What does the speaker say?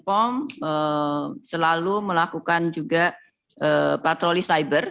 alam badan pom selalu melakukan juga patroli cyber